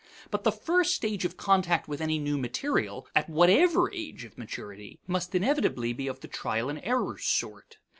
But the first stage of contact with any new material, at whatever age of maturity, must inevitably be of the trial and error sort.